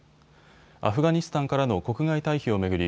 アフガニスタンからの国外退避を巡り